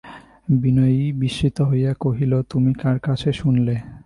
বিনয় বিস্মিত হইয়া কহিল, তুমি কার কাছে শুনলে?